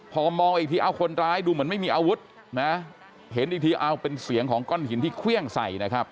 พอมองอีกทีเอ้าคนร้ายดูเหมือนไม่มีอาวุธนะเห็นอีกทีเอาเป็นเสียงของก้อนหินที่เครื่องใส่นะครับ